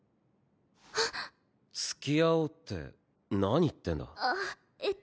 付き合おうって何言ってんだあっえっと